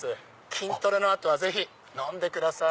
筋トレの後は飲んでください。